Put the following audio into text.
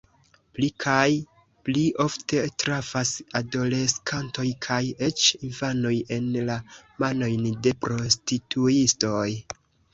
Pli kaj pli ofte trafas adoleskantoj kaj eĉ infanoj en la manojn de prostituistoj.